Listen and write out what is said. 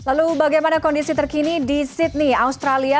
lalu bagaimana kondisi terkini di sydney australia